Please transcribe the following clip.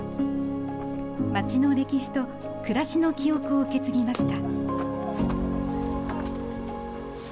町の歴史と暮らしの記憶を受け継ぎました。